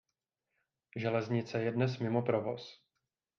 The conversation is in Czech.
Železnice je dnes mimo provoz.